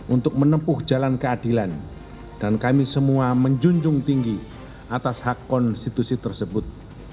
untuk menempuh jalan keadilan dan kami semua menjunjung tinggi atas hak konstitusi tersebut